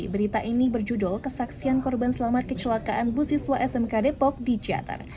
berita ini berjudul kesaksian korban selamat kecelakaan busiswa smk depok di jatar